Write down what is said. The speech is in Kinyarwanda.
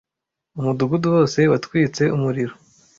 Umudugudu wose watwitse umuriro.